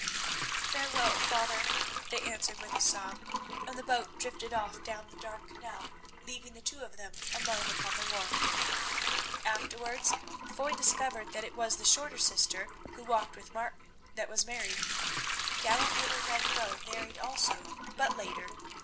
"Farewell, father," they answered with a sob, and the boat drifted off down the dark canal, leaving the two of them alone upon the wharf. Afterwards Foy discovered that it was the short sister who walked with Martin that was married. Gallant little Red Bow married also, but later.